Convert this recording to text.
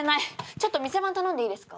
ちょっと店番頼んでいいですか？